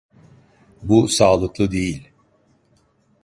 Bu sağlıklı değil.